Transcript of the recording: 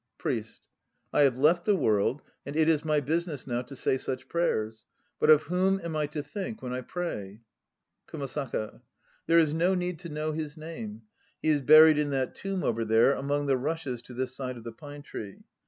PRIEST. I have left the World, and it is my business now to say such prayers; but of whom am I to think when I pray? KUMASAKA. There is no need to know his name. He is buried in that tomb over there, among the rushes to this side of the pine tree.